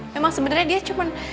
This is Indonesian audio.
memang sebenernya dia cuman